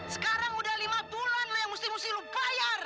sekarang udah lima bulan lah yang mesti mesti lu bayar